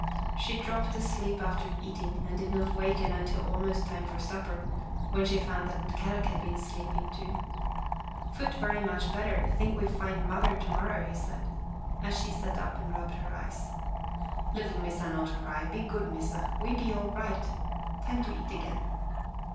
She dropped asleep after eating and did not waken until almost time for supper, when she found that Kadok had been sleeping too. " Foot very much better, think we go find Mother to morrow," he said, as she sat up and rubbed her eyes. " Little Missa not cry, be good Missa. We be all right. Time to eat again."